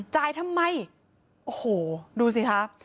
จ่ายทำไมโอ้โหดูสิคะ